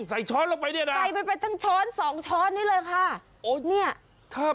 ใส่ช้อนลงไปเนี่ยนะใส่ไปเป็นทั้งช้อน๒ช้อนนี่เลยค่ะ